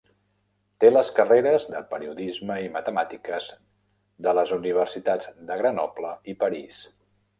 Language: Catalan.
Té les carreres de periodisme i matemàtiques de les universitats de Grenoble i París.